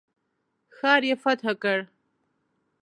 ښار یې فتح کړ.